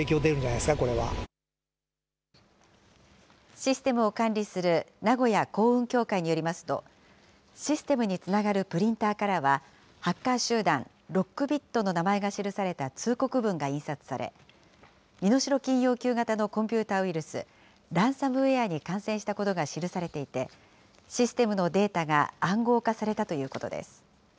システムを管理する名古屋港運協会によりますと、システムにつながるプリンターからは、ハッカー集団、ロックビットの名前が記された通告文が印刷され、身代金要求型のコンピューターウイルス、ランサムウエアに感染したことが記されていて、システムのデータが暗号化されたということです。